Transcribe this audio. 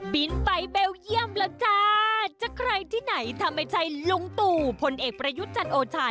บินไปเบลเยี่ยมแล้วจ้าจะใครที่ไหนถ้าไม่ใช่ลุงตู่พลเอกประยุทธ์จันโอชา